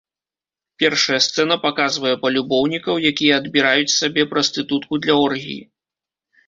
Першая сцэна паказвае палюбоўнікаў, якія адбіраюць сабе прастытутку для оргіі.